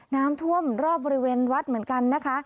น้ำท่วมรอบบริเวณวัดเหมือนกันนะคะ